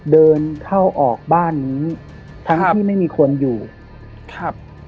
เดินเข้าออกบ้านนี้ทั้งที่ไม่มีคนอยู่ครับ